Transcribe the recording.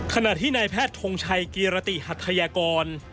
ขณะที่นายแพทย์ทงชัยกีรติหัทยากร